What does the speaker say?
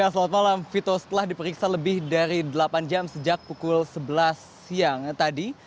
selamat malam vito setelah diperiksa lebih dari delapan jam sejak pukul sebelas siang tadi